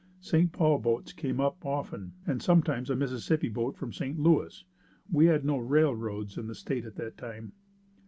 St. Paul boats came up often and sometimes a Mississippi boat from St. Louis. We had no railroads in the state at that time.